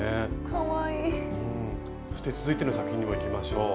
そして続いての作品にもいきましょう。